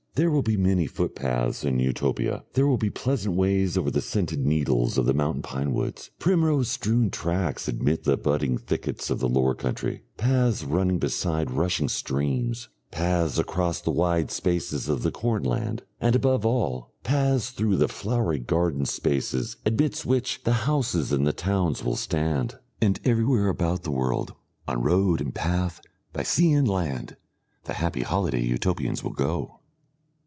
There will be many footpaths in Utopia. There will be pleasant ways over the scented needles of the mountain pinewoods, primrose strewn tracks amidst the budding thickets of the lower country, paths running beside rushing streams, paths across the wide spaces of the corn land, and, above all, paths through the flowery garden spaces amidst which the houses in the towns will stand. And everywhere about the world, on road and path, by sea and land, the happy holiday Utopians will go.